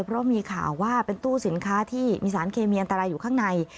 เพราะมีข่าวว่าเป็นตู้สินค้าที่มีสารเคมีอันตรายอยู่ข้างใน